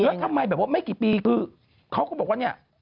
แล้วทำไมไม่กี่ปีคือเขาก็บอกว่า